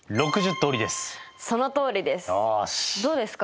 どうですか？